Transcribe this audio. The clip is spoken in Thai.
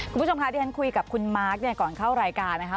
คุณผู้ชมคะที่ฉันคุยกับคุณมาร์คเนี่ยก่อนเข้ารายการนะคะ